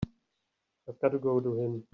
I've got to go to him.